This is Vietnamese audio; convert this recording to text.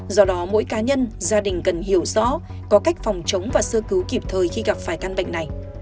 do đó mỗi cá nhân gia đình cần hiểu rõ có cách phòng chống và sơ cứu kịp thời khi gặp phải căn bệnh này